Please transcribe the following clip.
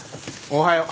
おはよう。